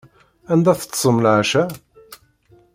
Anda teṭṭsem leɛca?